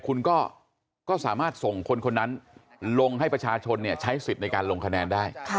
คุณก็สามารถส่งคนคนนั้นลงให้ประชาชนใช้สิทธิ์ในการลงคะแนนได้